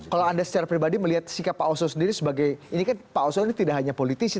kalau anda secara pribadi melihat sikap pak oso sendiri sebagai ini kan pak oso ini tidak hanya politisi